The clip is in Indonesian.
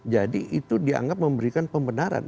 jadi itu dianggap memberikan pembenaran